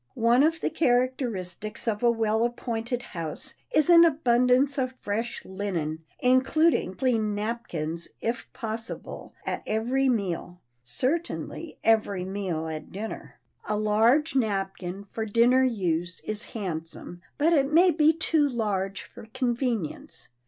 One of the characteristics of a well appointed house is an abundance of fresh linen, including clean napkins, if possible, at every meal, certainly every day at dinner. A large napkin for dinner use is handsome, but it may be too large for convenience.